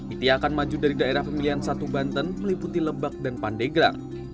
itia akan maju dari daerah pemilihan satu banten meliputi lebak dan pandeglang